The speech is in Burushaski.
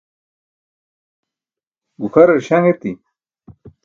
gukʰarar śaṅ eti